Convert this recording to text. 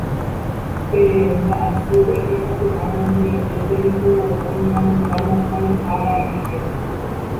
Pe mba'asy oikesapy'árõ nde retépe niko oñeñanduka mokõi ára rire